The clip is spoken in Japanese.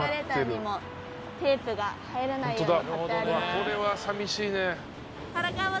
これは寂しいね。